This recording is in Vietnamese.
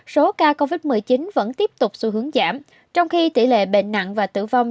số ca covid một mươi chín vẫn tiếp tục xu hướng giảm trong khi tỷ lệ bệnh nặng và tử vong